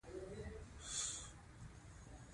فاریاب د افغانستان د طبیعت د ښکلا برخه ده.